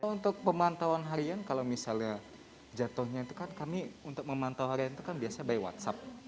untuk pemantauan harian kalau misalnya jatuhnya itu kan kami untuk memantau harian itu kan biasanya by whatsapp